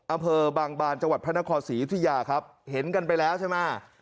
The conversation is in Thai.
อำเภอบางบานจังหวัดพระนครศรียุธยาครับเห็นกันไปแล้วใช่ไหม